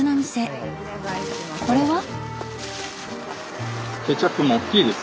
これは？